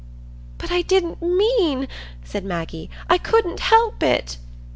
"But I didn't mean," said Maggie; "I couldn't help it."